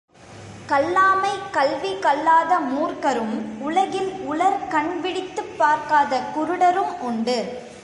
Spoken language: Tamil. கல்லாமை கல்வி கல்லாத மூர்க்கரும் உலகில் உளர் கண் விழித்துப் பார்க்காத குருடரும் உண்டு.